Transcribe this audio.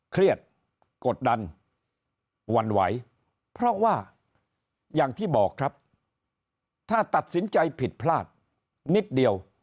เครียดกดดันหวั่นไหวเพราะว่าอย่างที่บอกครับถ้าตัดสินใจผิดพลาดนิดเดียว